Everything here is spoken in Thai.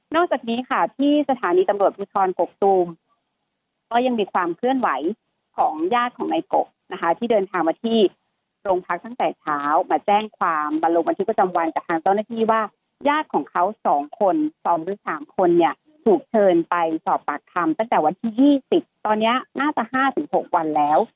จากนี้ค่ะที่สถานีตำรวจภูทรกกตูมก็ยังมีความเคลื่อนไหวของญาติของในกบนะคะที่เดินทางมาที่โรงพักตั้งแต่เช้ามาแจ้งความมาลงบันทึกประจำวันกับทางเจ้าหน้าที่ว่าญาติของเขา๒คน๒หรือ๓คนเนี่ยถูกเชิญไปสอบปากคำตั้งแต่วันที่๒๐ตอนนี้น่าจะ๕๖วันแล้ว